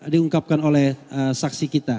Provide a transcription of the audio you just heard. diungkapkan oleh saksi kita